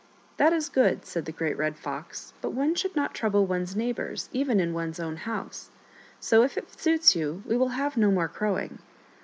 " That is good," said the Great Red Fox, " but one should not trouble one's neighbors, even in one's own house ; so, if it suits you, we will have no more crowing."